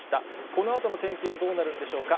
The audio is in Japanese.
このあとの天気はどうなるんでしょうか。